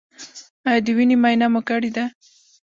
ایا د وینې معاینه مو کړې ده؟